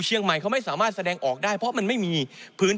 เชียงใหม่เขาไม่สามารถแสดงออกได้เพราะมันไม่มีพื้น